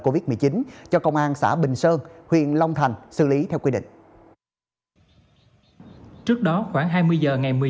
covid một mươi chín cho công an xã bình sơn huyện long thành xử lý theo quy định trước đó khoảng hai mươi giờ ngày